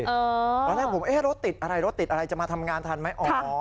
ตอนแรกผมเอ๊ะรถติดอะไรรถติดอะไรจะมาทำงานทันไหม